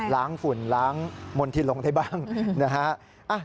ล้างฝุ่นล้างมนติลงได้บ้างนะฮะ